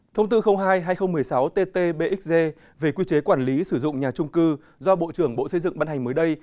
thông tư hai hai nghìn một mươi sáu tt bxg về quy chế quản lý sử dụng nhà trung cư do bộ trưởng bộ xây dựng ban hành mới đây